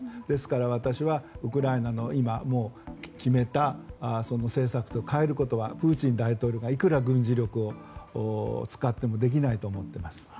ですから私はウクライナの今もう決めた政策を変えることはプーチン大統領がいかに軍事力を使ってもできないと思っています。